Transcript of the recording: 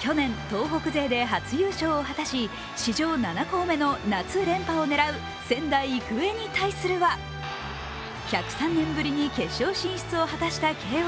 去年、東北勢で初優勝を羽田氏史上７校目の夏連覇を狙う仙台育英に対するは１０３年ぶりに決勝進出を果たした慶応。